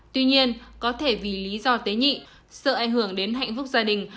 tuy nhiên có thể vì lý do tế nhị sợ ảnh hưởng đến hạnh phúc gia đình